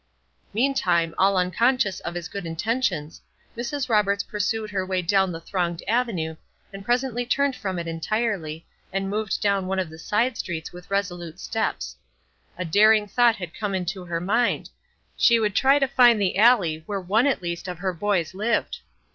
Meantime, all unconscious of his good intentions, Mrs. Roberts pursued her way down the thronged avenue, and presently turned from it entirely, and moved down one of the side streets with resolute steps. A daring thought had come into her mind; she would try to find the alley where one at least of her boys lived.